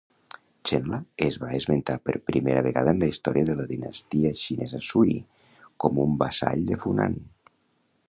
Chenla es va esmentar per primera vegada en la història de la dinastia xinesa Sui com un vassall de Funan.